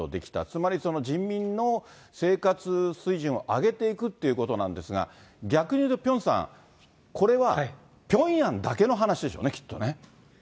つまり人民の生活水準を上げていくっていうことなんですが、逆に言うと、ピョンさん、これはピョンヤンだけの話でしょうね、きっとね。